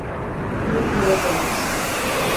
Nu, tu redzēsi!